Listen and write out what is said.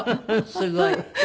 すごい。